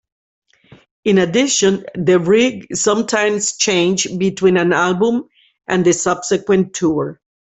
In addition, the rig sometimes changed between an album and the subsequent tour.